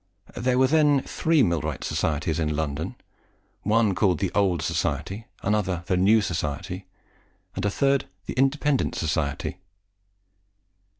There were then three millwright societies in London: one called the Old Society, another the New Society, and a third the Independent Society.